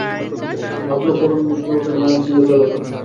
হাবলু করুণ মুখে উঠে মায়ের সঙ্গে চলে গেল।